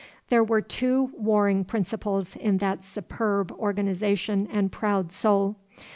There were two warring principles in that superb organization and proud soul.